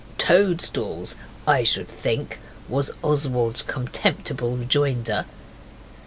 'Toadstools I should think,' was Oswald's contemptible rejoinder.